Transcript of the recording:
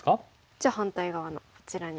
じゃあ反対側のこちらに打ちます。